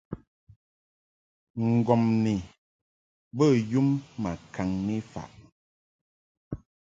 Ŋgɔmni bə yum ma kaŋni faʼ.